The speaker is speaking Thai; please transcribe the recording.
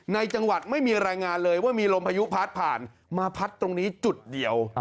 ในจังหวัดไม่มีรายงานเลยว่ามีลมพายุพัดผ่านมาพัดตรงนี้จุดเดียว